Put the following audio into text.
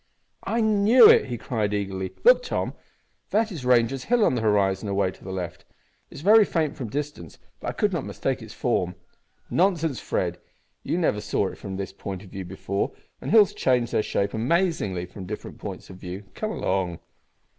"I knew it!" he cried, eagerly. "Look, Tom, that is Ranger's Hill on the horizon away to the left. It is very faint from distance, but I could not mistake its form." "Nonsense, Fred! you never saw it from this point of view before, and hills change their shape amazingly from different points of view. Come along."